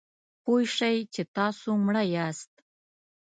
پوه شئ چې تاسو مړه یاست .